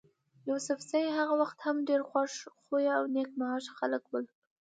يوسفزي هغه وخت هم ډېر خوش خویه او نېک معاش خلک ول.